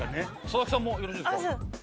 佐々木さんもよろしいですか。